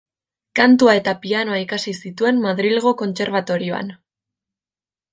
Kantua eta pianoa ikasi zituen Madrilgo Kontserbatorioan.